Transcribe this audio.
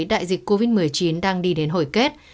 đại dịch covid một mươi chín đang đi đến hồi kết